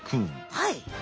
はい。